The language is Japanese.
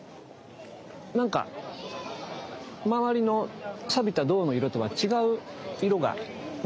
なんか周りのさびた銅の色とは違う色が見えませんか？